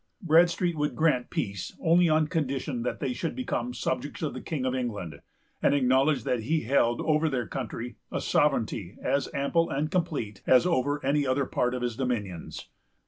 Bradstreet would grant peace only on condition that they should become subjects of the King of England, and acknowledge that he held over their country a sovereignty as ample and complete as over any other part of his dominions.